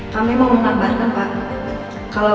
kami mau mengabarkan pak